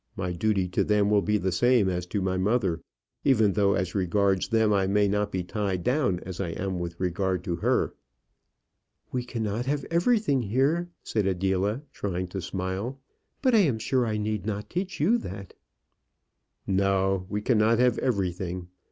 My duty to them will be the same as to my mother, even though, as regards them, I may not be tied down as I am with regard to her." "We cannot have everything here," said Adela, trying to smile. "But I am sure I need not teach you that." "No, we cannot have everything."